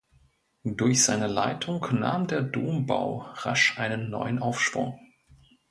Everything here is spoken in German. Durch seine Leitung nahm der Dombau rasch einen neuen Aufschwung.